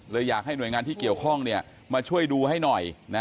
อยากให้หน่วยงานที่เกี่ยวข้องมาช่วยดูให้หน่อยนะ